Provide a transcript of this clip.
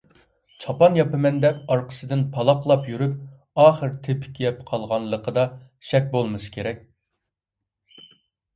«چاپان ياپىمەن» دەپ ئارقىسىدىن پالاقلاپ يۈرۈپ، ئاخىر «تېپىك يەپ قالغان»لىقىدا شەك بولمىسا كېرەك.